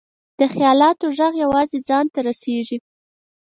د خیالاتو ږغ یوازې ځان ته رسېږي.